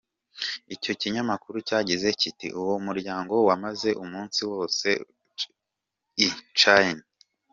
Icyo kinyamakuru cyagize kiti “ Uwo muryango wamaze umunsi wose I Chennai.